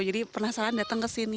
jadi penasaran datang ke sini